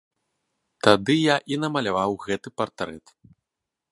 Тады я і намаляваў гэты партрэт.